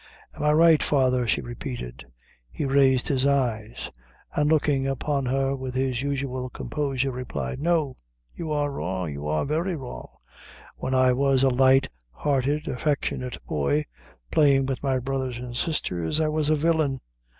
"Am I right, father?" she repeated. He raised his eyes, and looking upon her with his usual composure, replied "No you are wrong you are very wrong. When I was a light hearted, affectionate boy, playing with my brothers and sisters, I was a villain.